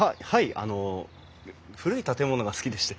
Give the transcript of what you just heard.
あの古い建物が好きでして。